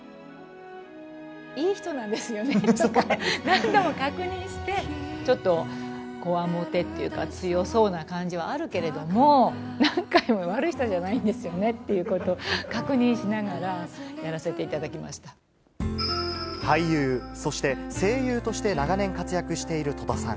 いい人なんですよね？とか何度も確認して、ちょっとこわもてっていうか、強そうな感じはあるけれども、何回も悪い人じゃないんですよねってこと、確認しながらやらせて俳優、そして声優として長年活躍している戸田さん。